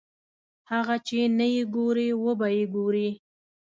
هغه چې نه یې ګورې وبه یې ګورې.